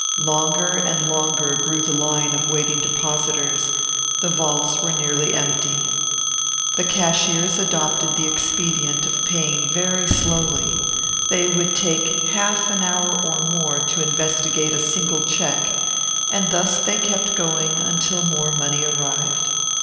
Longer and longer grew the line of waiting depositors; the vaults were nearly empty. The cashiers adopted the expedient of paying very slowly they would take half an hour or more to investigate a single check; and thus they kept going until more money arrived.